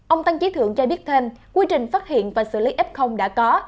ông tăng trí thượng cho biết thêm quy trình phát hiện và xử lý f đã có